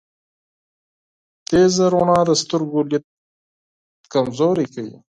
تیزه رڼا د سترګو لید کمزوری کوی.